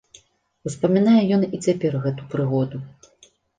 Успамінае ён і цяпер гэту прыгоду.